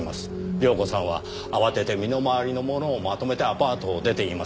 亮子さんは慌てて身の回りのものをまとめてアパートを出ています。